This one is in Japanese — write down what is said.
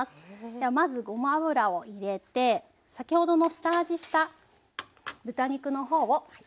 ではまずごま油を入れて先ほどの下味した豚肉の方を広げて入れていきますね。